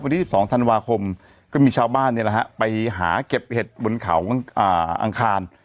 วันที่สิบสองธันวาคมก็มีชาวบ้านเนี่ยแหละฮะไปหาเก็บเห็ดบนเขาอังคาร